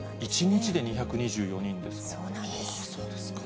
１日で２２４人ですか。